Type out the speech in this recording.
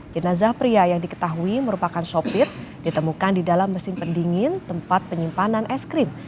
jenazah pria yang diketahui merupakan sopir ditemukan di dalam mesin pendingin tempat penyimpanan es krim